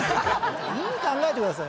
意味考えてくださいよ。